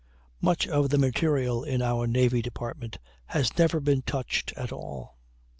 Much of the material in our Navy Department has never been touched at all.